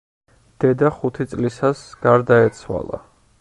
დედა ხუთი წლისას გარდაეცვალა.